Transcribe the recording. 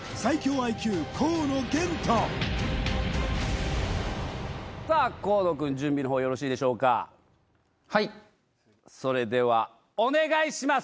ＩＱ河野玄斗さあ河野くん準備のほうよろしいでしょうかはいそれではお願いします